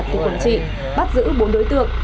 tỉnh quảng trị bắt giữ bốn đối tượng